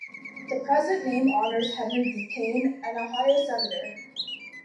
The present name honors Henry B. Payne, an Ohio senator.